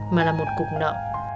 mà là một cục nợ